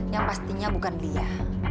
yang pastinya bukan lia